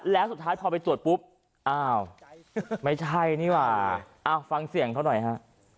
แล้วสุดท้ายพอไปตรวจปุ๊บอ้าวไม่ใช่นี่ว่ะฟังเสียงเขาหน่อยฮะ